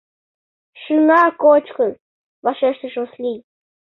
— Шыҥа кочкын, — вашештыш Васлий.